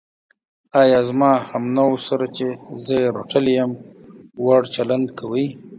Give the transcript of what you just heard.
ایا زما همنوعو سره چې زه یې رټلی یم، وړ چلند کوې.